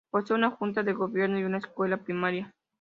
Posee una junta de Gobierno, y una escuela primaria.